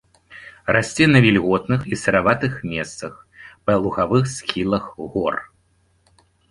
Расце на вільготных і сыраватых месцах, па лугавых схілах гор.